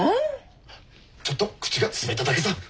ちょっと口が滑っただけさ。